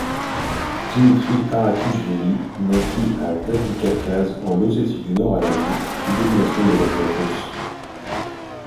Dimitri Arakichvili naquit à Vladikavkaz en Ossétie-du-Nord-Alanie sous domination de l'Empire russe.